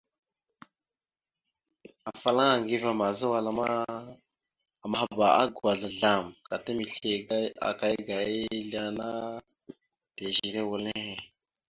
Afalaŋa Aŋgiva àmaza wala ma, amahba agwazl azzlam gata misle akaya aga izle ana tèzire wal nehe.